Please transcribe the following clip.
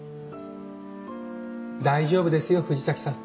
大丈夫ですよ藤崎さん。